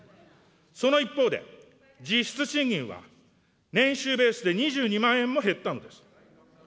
その一方で、実質賃金は年収ベースで２２万円も減ったのです。